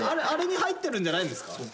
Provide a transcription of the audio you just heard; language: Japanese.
あれに入ってるんじゃないんですか？